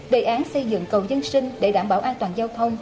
đề án xây dựng cầu dân sinh để đảm bảo an toàn giao thông